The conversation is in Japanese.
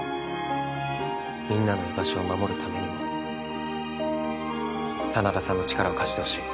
みんなの居場所を守るためにも真田さんの力を貸してほしい。